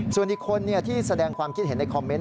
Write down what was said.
ส่วนอีกคนที่แสดงความคิดเห็นในคอมเมนต